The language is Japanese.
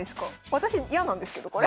私嫌なんですけどこれ。